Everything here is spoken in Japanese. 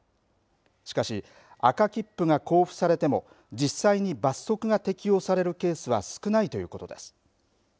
しかし、赤切符が交付されても実際に罰則が適用されるケースは少ないということです。